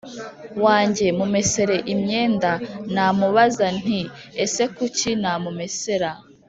wange, mumesere imyenda. Namubaza nti: “Ese kuki namumesera